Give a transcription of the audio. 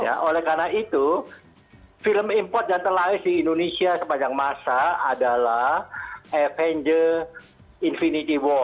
ya oleh karena itu film import yang terlaris di indonesia sepanjang masa adalah avenger infinity war